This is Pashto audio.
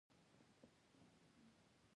دښتې د ژوند په کیفیت تاثیر کوي.